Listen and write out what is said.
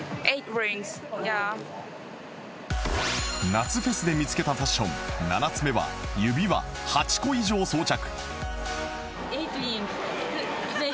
夏フェスで見つけたファッション７つ目は指輪８個以上装着